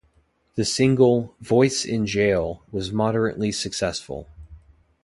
The single "Voice in Jail" was moderately successful.